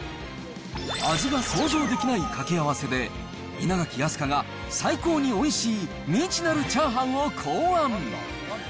味が想像できない掛け合わせで、稲垣飛鳥が最高においしい未知なるチャーハンを考案。